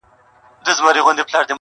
ستا د بنگړو مست شرنگهار وچاته څه وركوي~